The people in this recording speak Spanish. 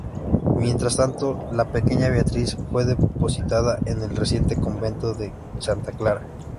Mientras tanto, la pequeña Beatriz fue depositada en el reciente Convento de Santa Clara.